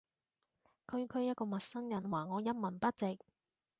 區區一個陌生人話我一文不值